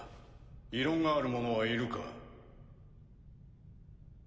異論がある者はいるか？